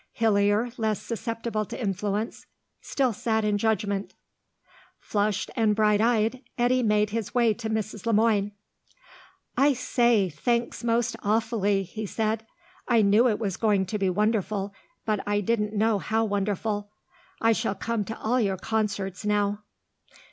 Hillier, less susceptible to influence, still sat in judgment. Flushed and bright eyed, Eddy made his way to Mrs. Le Moine. "I say, thanks most awfully," he said. "I knew it was going to be wonderful, but I didn't know how wonderful. I shall come to all your concerts now."